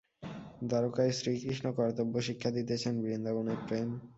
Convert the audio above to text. দ্বারকায় শ্রীকৃষ্ণ কর্তব্য শিক্ষা দিতেছেন, বৃন্দাবনে প্রেম।